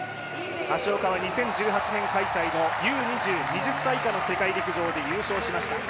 橋岡は２０１８年開催の２０歳以下の世界陸上で優勝しました。